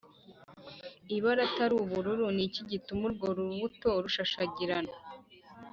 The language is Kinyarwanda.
Ibara atari ubururu ni iki gituma urwo rubuto rushashagirana